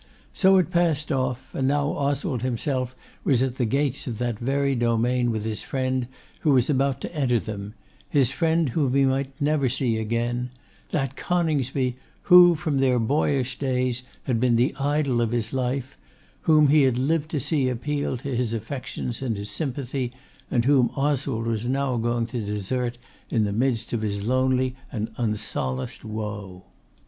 So it passed off, and now Oswald himself was at the gates of that very domain with his friend who was about to enter them, his friend whom he might never see again; that Coningsby who, from their boyish days, had been the idol of his life; whom he had lived to see appeal to his affections and his sympathy, and whom Oswald was now going to desert in the midst of his lonely and unsolaced woe.